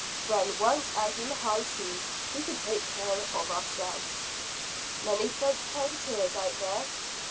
When once out on the high seas, we can take care of ourselves." "Many French privateers out there?"